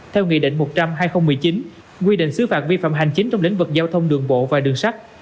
theo nghị định một trăm linh hai nghìn một mươi chín quy định xứ phạt vi phạm hành chính trong lĩnh vực giao thông đường bộ và đường sắt